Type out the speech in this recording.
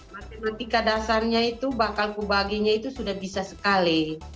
matematika dasarnya itu bakal kubaginya itu sudah bisa sekali